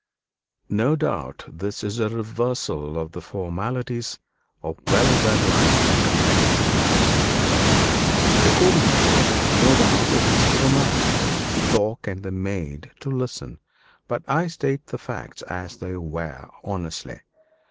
No doubt this is a reversal of the formalities of well bred life and conventional narrating thereof. According to them, no doubt, it is for the man to talk and the maid to listen; but I state the facts as they were, honestly.